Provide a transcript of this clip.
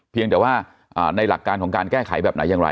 เพียงแต่ว่าในหลักการของการแก้ไขแบบไหนอย่างไร